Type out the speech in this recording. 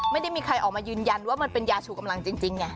ไม่ได้มีใครออกมายืนยันว่ามันเป็นยาชูกำลังจริงไง